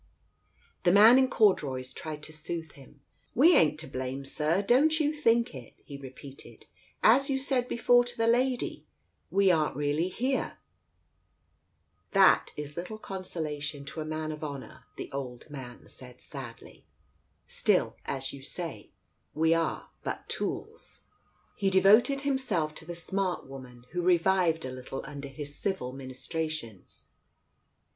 ... The man in corduroys tried to soothe him. "We ain't to blame, Sir, don't you think it! " he repeated. "As you said before to the lady, we aren't really here !" "That is little consolation to a man of honour," the old man said sadly. " Still, as you say, we are but tools " He devoted himself to the smart woman, who revived a little under his civil ministrations.